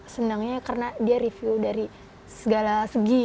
senangnya karena dia review dari segala segi